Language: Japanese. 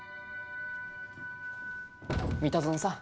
三田園さん